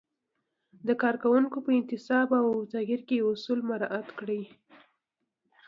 د کارکوونکو په انتصاب او تغیر کې اصول مراعت کړئ.